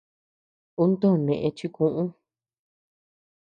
Uu too nëe chikuʼu.